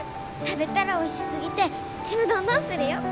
食べたらおいしすぎてちむどんどんするよ！